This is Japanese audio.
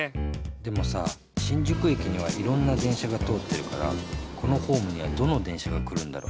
でもさ新宿えきにはいろんなでんしゃがとおってるからこのホームにはどのでんしゃがくるんだろ？